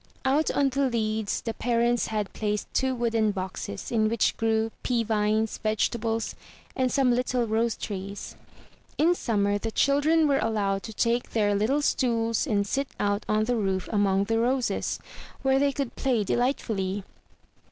Out on the leads the parents had placed two wooden boxes, in which grew pea vines, vegetables, and some little rose trees. In summer the children were allowed to take their little stools and sit out on the roof among the roses, where they could play delightfully.